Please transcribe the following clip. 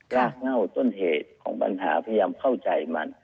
รากเง่าต้นเหตุของปัญหาพยายามเข้าใจมัน